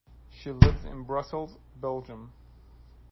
She lives in Brussels, Belgium.